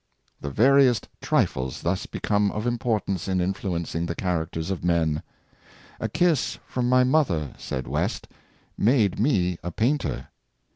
^ The veriest trifles thus become of importance in influencing the characters of men. " A kiss from my mother," said West, *' made me a painter."